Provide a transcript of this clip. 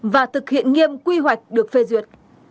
và thực hiện nghiêm quy hoạch được phê duyệt